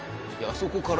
そこから！？